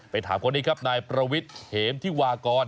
ไปถามคนนี้ครับนายประวิทเหมที่วากร